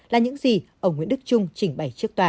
là những gì ông nguyễn đức trung trình bày trước tòa